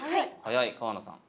早い川名さん。